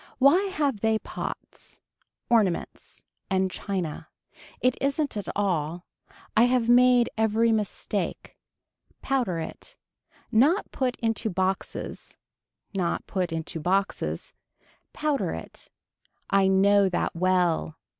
Why have they pots. Ornaments. And china. It isn't at all. I have made every mistake. Powder it. Not put into boxes. Not put into boxes. Powder it. I know that well.